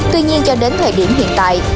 tuy nhiên cho đến thời điểm hiện tại